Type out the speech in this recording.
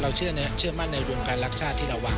เราเชื่อเนี่ยเชื่อมาในรวมการรักษาที่เราวาง